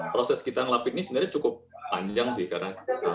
proses kita ngelapik ini sebenarnya cukup panjang sih karena